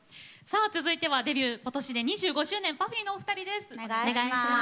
続いてはことしでデビュー２５周年ＰＵＦＦＹのお二人です。